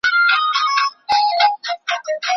له خپل پلاره دي وانه خيستل پندونه